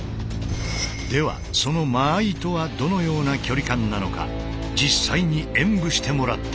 ではその間合いとはどのような距離感なのか実際に演武してもらった。